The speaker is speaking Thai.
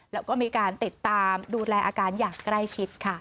แล้วก็มีการติดตามดูแลอาการอย่างใกล้ชิดค่ะ